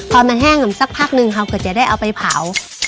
พอมันแห้งสักพักนึงเขาก็จะได้เอาไปเผา